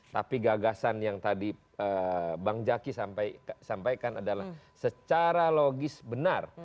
tapi gagasan yang tadi bang jaki sampaikan adalah secara logis benar